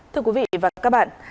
thưa quý vị và các bạn